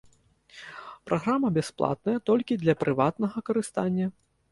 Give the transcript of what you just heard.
Праграма бясплатная толькі для прыватнага карыстання.